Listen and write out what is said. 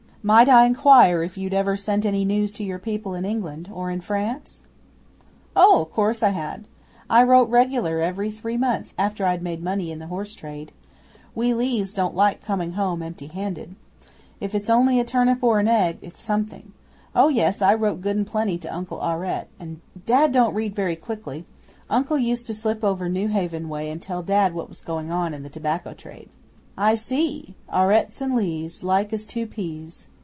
'Might I inquire if you'd ever sent any news to your people in England or in France?' 'O' course I had. I wrote regular every three months after I'd made money in the horse trade. We Lees don't like coming home empty handed. If it's only a turnip or an egg, it's something. Oh yes, I wrote good and plenty to Uncle Aurette, and Dad don't read very quickly Uncle used to slip over Newhaven way and tell Dad what was going on in the tobacco trade.' 'I see Aurettes and Lees Like as two peas.